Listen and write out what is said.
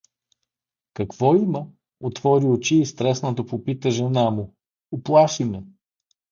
— Какво има? — отвори очи и стреснато попита жена му, — уплаши ме.